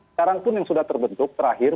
sekarang pun yang sudah terbentuk terakhir